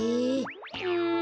うん。